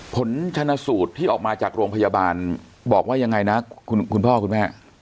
ผลชนสูตรที่ออกมาจากโรงพยาบาลบอกว่ายังไงนะคุณพ่อคุณแม่